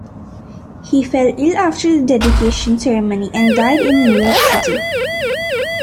He fell ill after the dedication ceremony and died in New York City.